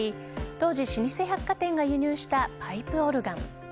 当時、老舗百貨店が輸入したパイプオルガン。